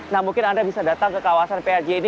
nah mungkin anda bisa datang ke kawasan prj ini